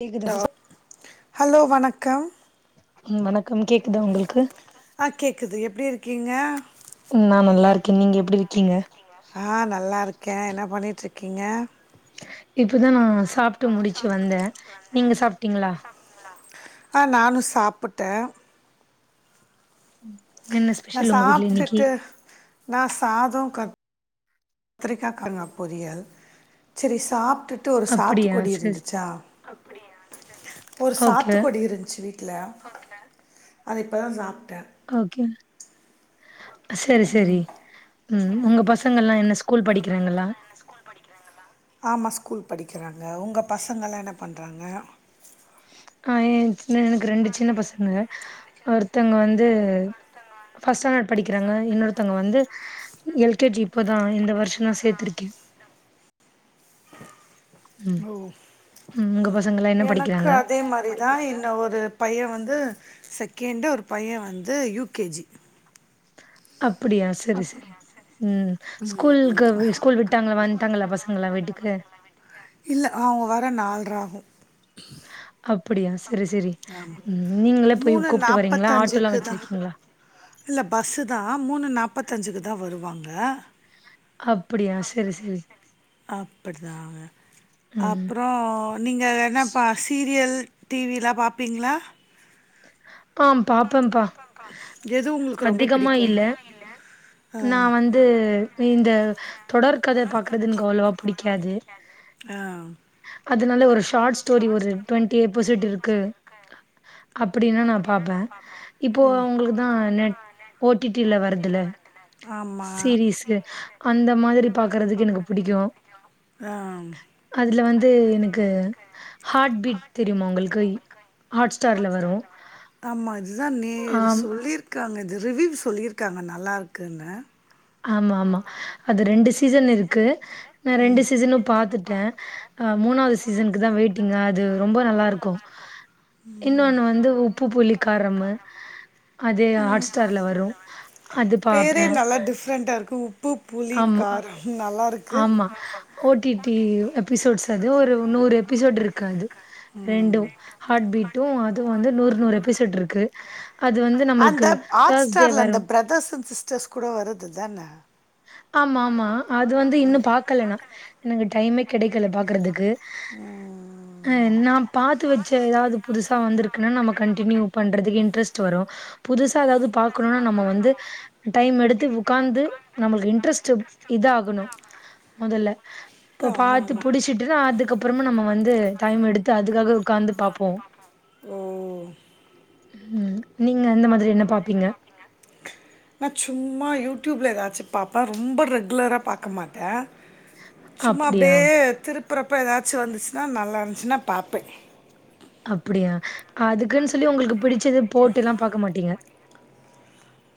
கேக்குதா hello sis hello வணக்கம் வணக்கம் கேக்குதா உங்களுக்கு ஆ கேக்குது எப்டி இருக்கீங்க நா நல்லா இருக்கே நீங்க எப்டி இருக்கீங்க ஆ நல்லா இருக்கே என்ன பண்ணிட்டுருக்கீங்க இப்பதா நா சாப்பிட்டு முடிச்சு வந்தே நீங்க சாப்ட்டீங்களா ஆ நானும் சாப்புட்டே என்ன நா ஸ்பெஷல் உங்க வீட்டுல இன்னைக்கி சாப்ட்டுட்டு நா சாதம் கா கத்திரிக்காங்க பொரியல் சரி சாப்ட்டு ஒரு அப்டியா சாத்துக்குடி சேரி சேரி இருந்துச்சா அப்டியா ஒரு ஓகே சாத்துக்குடி இருந்துச்சு இல்ல அது இப்தா சாப்ட்டே ஓகே சேரி சேரி உங்க ம் பசங்கல்லா என்ன ஸ்கூல் படிக்கறங்களா ஆமா ஸ்கூல் படிக்கிறாங்க உங்க பசங்களா என்ன பண்றாங்க ஆ என் சின்ன எனக்கு ரெண்டு சின்ன பசங்க ஒருத்தங்க வந்து பஸ்ட் ஸ்டாண்டர்ட் படிக்கிறாங்க இன்னொர்த்தங்க வந்து எல் கே ஜி இப்பதா இந்த வருஷோத சேத்திருக்கே ம் ஓ ம் உங்க பசங்கலா என்ன படிக்கிறாங்க தா என்ன ஒரு பைய வந்து செகேண்டு ஒரு பைய வந்து யூ கே ஜி அப்டியா சேரி சேரி ம் ஸ்கூலுக்கு ஸ்கூல் விட்டாங்களா வந்ட்டாங்களா பசங்களா வீட்டுக்கு இல்ல அவங்க வர நால்ற ஆகு அப்டியா சரி சரி ம் நீங்களா போய் மூணு கூப்ட்டு வரீங்களா ஆட்டோ எல்லா நாற்பத்தஞ்சுக்கு தான் வச்சிருக்கீங்களா இல்ல பஸ்ஸு தா மூணு நாப்பத்தஞ்சுக்கு தா வருவாங்க அப்படியா சரி அப்டியா சரி செரி செரி அப்படிதாங்க ம் அப்றோ நீங்க என்னப்பா சீரியல் டிவிலா பாப்பீங்களா ஆ பாப்பேம்ப்பா எது உங்களுக்கு ரொம்ப அதிகமா பிடிக்கும் இல்ல ஆ நா வந் வந்து இந்த தொடர் கத பாக்குறது எனக்கு அவ்வளவா பிடிக்காது ஆ அதனால ஒரு ஷார்ட் ஸ்டோரி ஒரு டுவெண்ட்டி எபிசோட் இருக்கு அப்படின்னா நா பாப்பே இப்போ ஓ உங்களுக்குதா நெட் ஓ டி டி ல வருதுல ஆமாம் சீரிஸு அந்த மாதிரி பாக்குறதுக்கு எனக்கு பிடிக்கு ஆ அதுல வந்து எனக்கு ஹாட் பீட் தெரியுமா உங்களுக்கு ஹாட் ஸ்டா ஹாட்ஸ்டார் ல வரு ஆமா அதுதா நேர் ஆம். சொல்லிரு க்காங்க இது ரிவ்யூ சொல்லியிருக்காங்க நல்லாருக்குன்னு ஆமா ஆமா அது ரெண்டு சீசன் இருக்கு நா ரெண்டு சீசனு பாத்துட்டே அ மூணாவது சீசனுக்கு தா வெயிட்டிங் அது ரொம்ப நல்லா இருக்கு இன்னொன்னு வந்து உப்பு புளி காரமு அது ஹாட் ஸ்டார்ல வரு அது பேரே பாப்பே நல்லா டிஃப்ரெண்ட்டா உப்பு புளி காரோ நல்லா இருக்கு ஆமா ஓ டி டி எபிசோட்ஸ் அது ஒரு நூறு எபிசோட் இருக்கு அது ரெண்டும் ம் ஹாட் பீட்டு அதுவு வந்து நூறு நூறு எபிசேட் இருக்கு அது வந்து அந்த நம்மளுக்கு ஹாக் தர்ஸ்டே ஸ்டார்ல வரும். அந்த பிரதர்ஸ் அண் சிஸ்டர்ஸ் கூட வருதுதான ஆமா ஆமா அது வந்து இன்னு பாக்கல நா எனக்கு டைமே கெடைக்கல பாக்கறதுக்கு அ ம் நா பாத்து வெச்ச ஏதாது புதுசா வந்திருக் குன்னா நம்ம கண்டினியூ பண்றதுக்கு இன்ட்ரெஸ்ட் வரு புதுசா எதாவது பாக்கணும்னா நம்ம வந்து டைம் எடுத்து உக்காந்து நம்மளுக்கு இன்ட்ரெஸ்ட் இதா ஆகணு மொதல்ல இப்ப ஆமா பாத்து ஆமா புடிச்சிட்டு இதா அதுக்குப் அப்புறம நம்ம வந்து டைம் எடுத்து அதுக்காக ஒக்காந்து பாப்போ ஓ ம் நீங்க இந்த மாதிரி என்ன பாப்பீங்க நா சும்மா யூடியூப்ல ஏதாச்சி பாப்பே ரொம்ப ரெகுலரா பாக்க மாட்ட சும்மா அப்டே அப்படியா? திருப்புறப்ப ஏதாச்சி வந்துச்சுன்னா நல்லா இருந்துச்சுன்னா பாப்பே அப்புடியா அதுக்குன்னு சொல்லி உங்களுக்கு புடிச்சது போட்டு எல்லா பாக்க மாட்டீங்க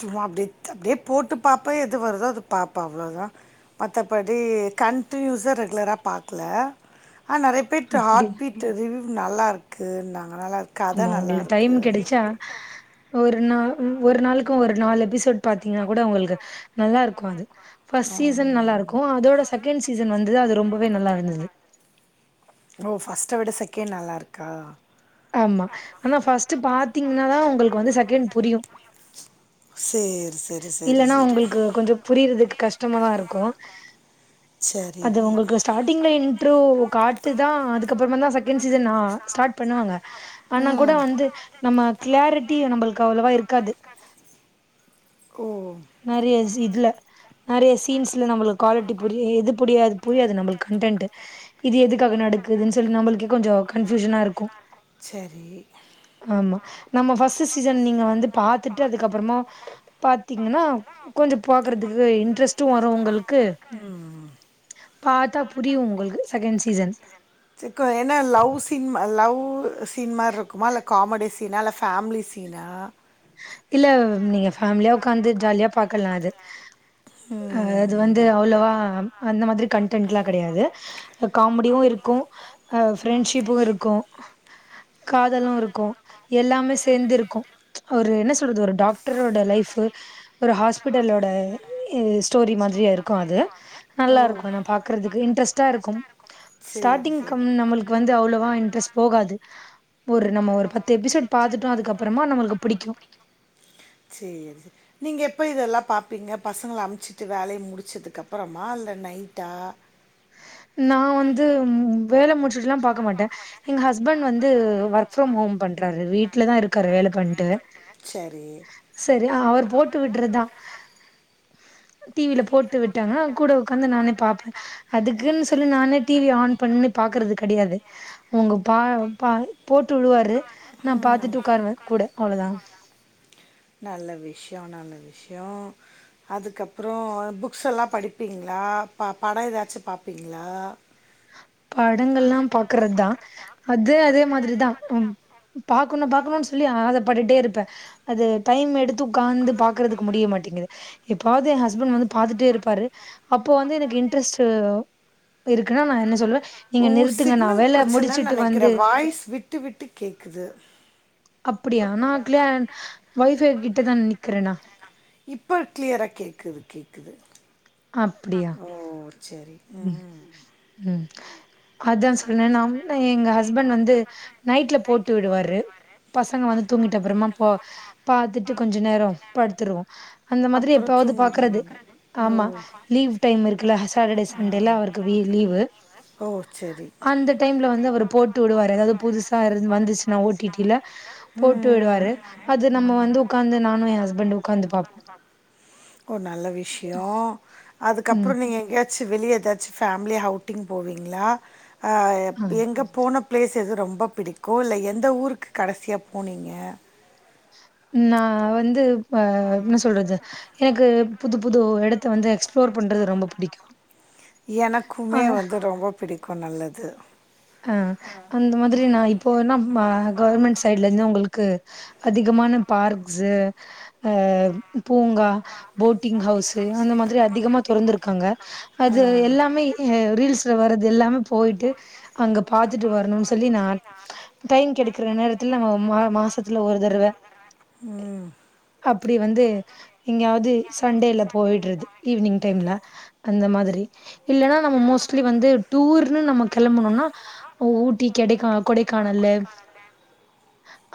சும்மா அப்டி அப்டியே போட்டு பாப்பே எது வருதோ அது பாப்பே அவ்ளதா மத்தப்படி கன்டினியூஸா ரெகுலரா பாக்கல ஆனா நறைய பிட் ஹார்ட் அப்படியா? பீட் ரிவியூ நல்லா இருக்குனாங்கலா அதனால ஆமா உங்களுக்கு டைம் கெடைச்சா ஒரு நாள் ஒரு நாளுக்கு ஒரு நாலு எபிசோட் பாத்தீங்கன்னா கூட உங்குளுக்கு நல்லாருக்கு அது ஃபர்ஸ்ட் சீசன் நல்லா இருக்கு அதோட செகண்ட் சீசன் வந்து தா அது ரொம்பவே நல்லா இருந்தது ஓ ஃபர்ஸ்ட்ட விட செகண்ட் நல்லா இருக்கா ஆமா ஆனா ஃபஸ்ட்டு பாத்தீங்கின்னாதா உங்களுக்கு வந்து செகேண்ட் புரியு சேர் சேரி இல்லன்னா உங்களுக்கு கொஞ்சோ புரியிறதுக்கு கஷ்டமாதா இருக்கு சரி ஸ்டார்டிங்கில இன்றோ காட்டு தா அதுக்கப்புறமா தா செகண்ட் சீசன் ஸ்டார்ட் பண்ணுவாங்க ஆனா கூட ம் வந்து நம்ம கிளாரிட்டி நம்பளுக்கு அவ்வளவா இருக்காது ஓ நறைய இஸ் இதுல நறைய சீன்ஸ்ல நம்மளுக்கு குவாலிட்டி புரி இது புரியாது புரியாது நம்மளுக்கு கன்டென்ட் இது எதுக்காக நடக்குதுன்னு சொல்லி நம்பளுக்கே கொஞ்சோ கன்ஃபியூஷனா இருக்கு செரி ஆமா நம்ம ஃபர்ஸ்ட் சீசன் நீங்க வந்து பாத்துட்டு அதுக்கப்புறமா பாத்தி பாத்தீங்னா கொஞ்சோ பாக்குறதுக்கு இன்ட்ரெஸ்ட்டு வரு உங்களுக்கு ம். பாத்தா புரியு உங்களுக்கு செகேண்ட் சீசன் சிக்கோ என்ன லவ் ஒ சின்மா லவ் சின்மாரி இருக்குமா இல்ல காமெடி சீனா இல்ல ஃபேமிலி சீனா இல்ல நீங்க ஃபேமிலியா உக்காந்து ஜாலியா பாக்கலாம் ம் இது அவ்ளவா அந்த மாதிரி கன்டன்ட் லா கெடையாது காமெடியு இருக்கு அ ஃப்ரெண்ட்ஷிப்பு இருக்கு காதலு இருக்கு எல்லாமே சேந்து இருக்கு ஒரு என்ன சொல்றது ஒரு டாக் டாக்ரோட லைஃபு ஒரு ஹாஸ்பிட்டலோட ஸ்டோரி மாதிரியே இருக்கு அது ஓ நல்லா இருக்கு நம் பாக்குறதுக்கு இன்ட்ரெஸ்டா இருக்கு சரி சரி ஸ்டார்டிங் கம் நம்மளுக்கு வந்து அவ்ளோவா இன்ட்ரெஸ்ட் போகாது ஒரு நம்ம ஒரு பத்து எபிசோட் பாத்துட்டோ அதுக்கப்புறமா நம்மளுக்கு புடிக்கோ சேரி நீங்க எப்ப இத எல்லா பாப்பீங்க பசங்கள அமுச்சிட்டு வேலைய முடிச்சதுக்கு அப்புறமா இல்ல நைட்டா நா வந்து வேலை முடிச் ட்சு பாக்க மாட்டே எங்க ஹஸ்பண்ட் வந்து ஒர்க் பிரம் ஹோம் பண்றாரு நான் வீட் வீட்டுல வீட்ல தா இருக்காரு வேலை பண்ணிட்டு சரி சேரி அவரு போட்டு விடுறதுதா டிவி ல போட்டு விட்டாங்கான கூட உக்காந்து நானே பாப்பே அதுக்குன்னு சொல்லி நானே டிவி ஆன் பண்ணு பாக்குறது கிடையாது அவுங்க பா பா போட்டு விடுவாரு நா பாத்துட்டு உட்காருவே கூட அவ்ளோ தா நல்ல விஷயே நல்ல விஷயே அதுக்கப்புறம் புக்ஸ்சு எல்லா படிப்பீங்களா ப படம் ஏதாச்சு பாப்பிங்களா படங்கள்லா பாக்குறது தா அது அதே மாதிரிதா பாக்கணு பாக்கணும்னு சொல்லி ஆசா பட்டுடே இருப்பே அது டைம் எடுத்து உட்கார்ந்து பாக்குறதுக்கு முடிய மாட்டேங்குது எப்பாவது என் ஹஸ்பண்ட் வந்து பாத்துட்டே இருப்பாரு அப்போ வந்து எனக்கு இன்ட்ரெஸ்ட்டு அதா நா என்ன சொல்லுவே ஓ நிறுத்துங்க நா சிக்னல் வேல பிரச்சனைன்னு முடிச்சுட்டு நெனைக்கிறே வந்து வாய்ஸ் விட்டு விட்டு கேக்குது அப்புடியா நா கிளே வைஃபை கிட்டதா நிக்கிறேனா இப்போ கிளியரா கேக்குது கேக்குது அப்புடியா ம் ம் அதா சொன்னானே நா எங்க ஹஸ்பண்ட் வந்து நைட்ல போட்டு விடுவாரு பசங்க வந்து தூங்கிட்ட அப்புறமா போ பாத்துட்டு கொஞ்ச நேரம் படுத்துருவோம் அந்த மாதிரி அப்புறம் எப்பாவது பாக்குறது தூங்கிடுவீங்க ஓ ஆமா லீவ் டைம் இருக்குல்ல சாட்டர்டே ஆ சண்டேல அவுருக்கு லீவு ஓ சேரி அந்த டைம்ல வந்து அவரு போட்டு விடுவாரு ஏதாவது புதுசா இருந்த வந்துச்சுன்னா ஓ டி டி ல போட்டு ம் விடுவாரு அது நம்ம வந்து உட்காந்து நானு என் ஹஸ்பண்ட்டு உட்காந்து பாப்போ ஒரு நல்ல விஷயே அதுக்கப்புறே ம். நீங்க எங்கயாது ச்சு வெளிய ஏதாச்சு ஃபேமிலிய அவுட்டிங் போவீங்களா ஆ ஆ. எங்க போன பிளேஸ் எது ரொம்ப பிடிக்கு இல்ல எந்த ஊருக்கு கடைசியா போனீங்க நா வந்து ஆ என்ன சொல்றது எனக்கு புது புது இடத்த வந்து எக்ஸ்ப்ளோரு பண்ணுறது ரொம்ப பிடிக்கும் ஆ எனக்குமே வந்து ரொம்ப பிடிக்கும் நல்லது ஆ அந்த மாதிரி நா இப் போ நம்ம கவர்மெண்ட் சைட்ல இருந்து உங்களுக்கு அதிகமான பார்க்ஸ்சு ஆ பூங்கா போட்டிங் ஹவுஸ்சு அந்த மாதிரி அதிகமா திறந்திருக்காங்க அது ஆ எல்லாமே ஆ ரீல்ஸ்ல வர்றது எல்லாமே போயிட்டு அங்க பாத்துட்டு வரணும்னு சொல்லி நான் டைம் கெடைக்குற நேரத்துல நம் ம மாசத்துல ஒரு தடவ ம் அப்புடி வந்து எங்கயாவது சண்டேல போயிடுறது ஈவினிங் டைம்ல அந்த மாதிரி இல்லைன்னா நம்ம மோஸ்ட்லி வந்து டூர்ன்னு நம்ம கிளம்பணும்னா ஊட்டி கிடைக் கொடைக்கானல்லு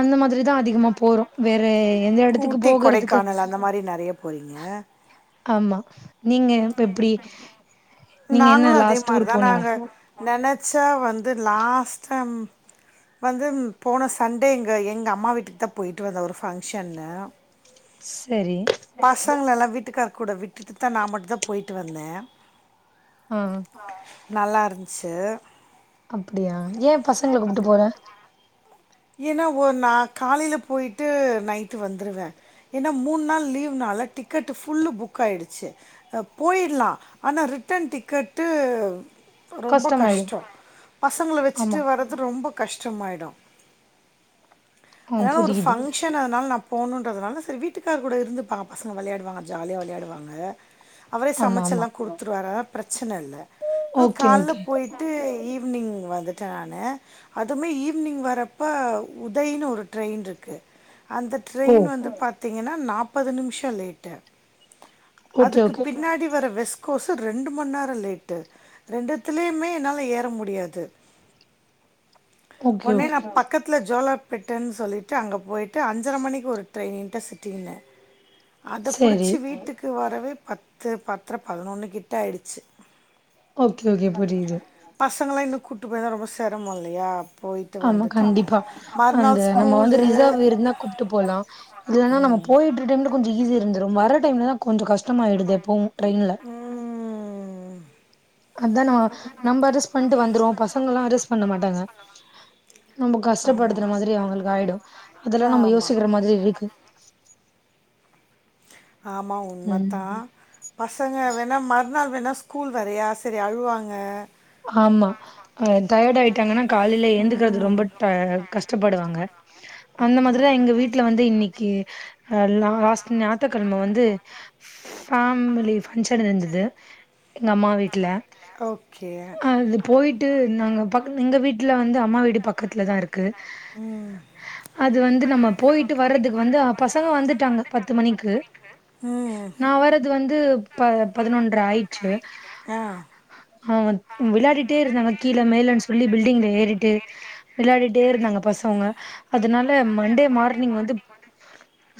அந்த மாதிரி தா அதிகமாக போறோ வேற எந்த இடத்துக்கு ஊட்டி போகுறதுக்கு கொடைக்கானல் அந்த மாரி நெறைய போறீங்க ஆமா நீங்க எப்புடி நாங்களு அதே மாரிதா நாங்க நெனச்சா வந்து லாஸ்ட் டைம் வந்து போன சண்டே இங்க எங்க அம்மா வீட்டுக்கு தா போய்ட்டு வந்தே ஒரு ஃபங்க்ஷன்னு செரி பசங்கள எல்லா வீட்டுக்காரு கூட விட்டுட்டு தா நா மட்டு தா போய்ட்டு வந்தே ஆ ஆ நல்லா இருந்துச்சு அப்டியா ஏ பசங்கள கூப்பிட்டு போல ஏன்னா ஒரு நா காலையில போய்ட்டு நைட்டு வந்துடுவே ஏன்னா மூணு நாள் லீ்வுனால டிக்கெட்டு ஃபுல்லு புக் ஆகிடுச்சு போயில்லா ஆனா ரிட்டன் டிக்கெட்டு ரொம்ப கஷ்டமாயிடும் கஷ்டோ பசங்கள வச்சுட்டு ஆமா வர்றது ரொம்ப கஷ்டமாயிடு ஆ அதன ஒரு புரியுது ஃபங்க்ஷன் அதனால நா போணுன்றதுனால செரி வீட்டுக்கார் கூட இருந்துப்பாங்க பசங்க வெளையாடுவாங்க ஜாலியா வெளையாடுவாங்க அவரே ஆமா சமைச்சு ஆமா எல்லா கொடுத்துருவாரா ப்ரச்சன இல்ல ஓகே காலல ஓகே போயிட்டு வட்டு ஈவினிங் வந்துட்டே நானு அதுமே ஈவினிங் வர இப்ப உதயன்னு ஒரு ட்ரெயின் இருக்கு அந்த ஓ ட்ரெயின் வந்து ப ங்கன்னா நாற்பது நிமிஷோ லேட்டு ஓகே அதுக்கு ஓகே பின்னாடி வர வெஸ் சு ரெண்டு மணி நேரோ லேட்டு ரெண்டுத்துலயுமே என்னால ஏற முடியாது [inaudible] ஓகே உடனே ஓகே நா பக்கத்துல ஜோலா பெட்டேன்னு சொல்லிட்டு அங்க போயிட்டு அஞ்சர மணிக்கு ஒரு ட்ரெயிண்ட சுத்திடுவே அத சரி புடிச்சு வீட்டுக் அக்கு வரவே பத்து பத்திர பதினொன்னு கிட்ட ஆயிடுச்சு ஓகே ஓகே புரியுது பசங்கள இன்னு கூட்டு போய்ருந்தா ரொம்ப செரமோ இல்லையா போயிட்டு ஆமா வந்துட் கண்டிப்பா அந்த நம்ம வந்து ரிசர்வ் இருந்தா கூப்பிட்டு போலா இல்லன்னா நம்ம போயிட்டு டைம்ல கொஞ்சோ ஈஸி இருந்துரு வர டைம்ல தா கொஞ்சோ கஷ்டமாயிடுது எப்போவு ட்ரென்ல ம் அதுதா நம்ம நம்ம அட்ஜஸ்ட் பண்ணிட்டு வந்துருவோ பசங்க எல்லா அட்ஜஸ்ட் பண்ண மாட்டாங்க நம்ம ஆமா கஷ்டப்படுத்துற மாதிரி அவங்களுக்கு ஆகிடு அதெல்லா நம்ம ஆமா யோசிக்கிற மாதிரி இருக்கு ஆமா உண்ம தா ம் பசங்க வேணா மறுநாள் வேணா ஸ்கூல் வேறயா செரி அழுவாங்க ஆமா டயர்ட் ஆயிட்டாங்கன்னா காலையில ஏழுந்துக்கறிது ரொம்ப ட கஷ்டபடுவாங்க அந்த ம் மாதிரிதா எங்க வீட்ல வந்து இன்னைக்கு அ லாஸ்ட் ஞாக்குகெழம வந்து ஃபேமிலி பங்க்ஷன் இருந்தது எங்க அம்மா வீட்ல ஓ அது போயிட்டு நாங்க எங்க வீட்ல வந்து அம்மா வீடு பக்கத்துல தா இருக் க்கு ம் அது வந்து நம்ம போயிட்டு வர்றதுக்கு வந்து பசங்க வந்துட்டாங்க பத்து மணிக்கு ம் நா வர்றது வந்து ப பதினொன்ற ஆயிச்சு ஆ ஆ வெளாண்டுட்டே இருந்தாங்க கீழ மேலன்னு சொல்லி பில்டிங்ல ஏறிட்டு வெளாண்டிட்டே இருந்தாங்க பசங்க அதனால மண்டே மார்னிங் வந்து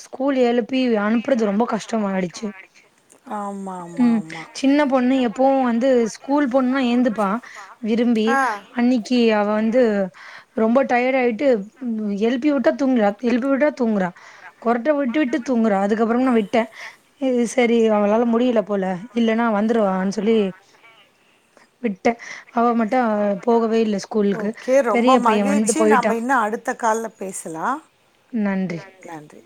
ஸ்கூல் எழுப்பி அனுப்புறது ரொம்ப கஷ்டம் ஆயிடுச்சு ஆமா ம் சின்ன பொண்ணு எப்போவு வந்து ஸ்கூல் போன் இந்துப்பான் விரும்பி ஆ அன்னைக்கு அவ வந்து ரொம்ப டயர்ட் ஆயிட்டு எழுப்பி விட்டா தூங்கல எழுபி விட்டா தூங்குறா கொறட்ட விட்டு விட்டு தூங்குறா அதுக்கப்பறமு நா விட்டே இது சரி அவங்களால முடியல போல இல்லன்னா வந்துருவா ன்னு சொல்லி விட்டன் அவா மட்டும் போகவே இல்லை ஸ்கூலுக்கு ஓகே ரொம்ப பெரிய பையன் வந்து மகிழ்ச்சி நம்ம போயிட்டான் இன்னும் அடுத்த நன்றி க ன்றி